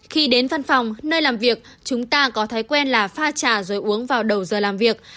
khi đến văn phòng nơi làm việc chúng ta có thói quen là pha trà rồi uống vào đầu giờ làm việc